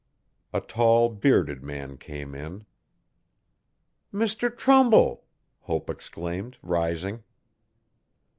A tall, bearded man came in. 'Mr Trumbull!' Hope exclaimed, rising.